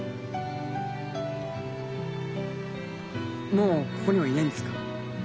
もうここにはいないんですか？